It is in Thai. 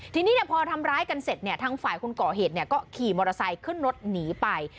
ทีนี้พอทำร้ายกันเสร็จเนี่ยทางฝ่ายคนก่อเหตุก็ขี่มอเตอร์ไซค์ขึ้นรถหนีไป